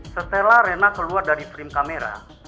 setelah rena keluar dari frame kamera